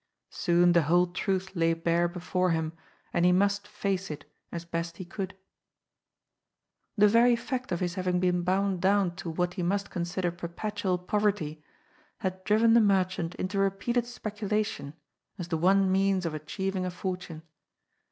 Soon the whole truth lay bare before him, and he must face it as best he could. 118 <JOD'S POOL. The very fact of bis haying been bound down to what he must consider perpetual poverty had driven the merchant into repeated speculation as the one means of achieving a fortune.